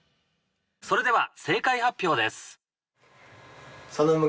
それでは、正解発表です。